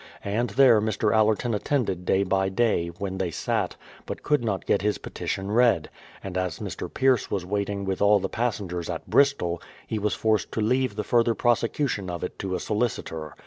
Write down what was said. And there Mr. Allerton attended day by day, when they sat, but could not get his petition read; and as Mr. Pierce was waiting with all the passengers at Bristol, he was forced to leave the further prosecution of it to a solicitor.